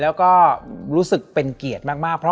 และวันนี้แขกรับเชิญที่จะมาเชิญที่เรา